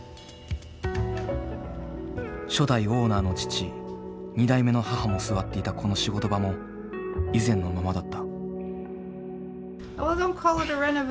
初代オーナーの父２代目の母も座っていたこの仕事場も以前のままだった。